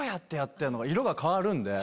色が変わるんで。